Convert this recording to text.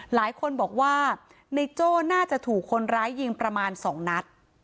หลายคนบอกว่าในโจ้น่าจะถูกคนร้ายยิงประมาณ๒นัด